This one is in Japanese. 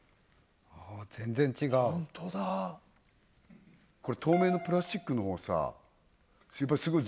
全然違うホントだこれ透明のプラスチックの方さスゴい